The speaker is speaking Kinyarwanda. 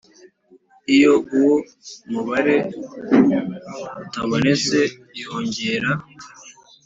Iyo uwo mubare utabonetse yongera